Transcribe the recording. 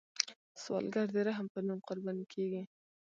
سوالګر د رحم په نوم قرباني کیږي